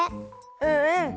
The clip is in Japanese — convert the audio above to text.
うんうん。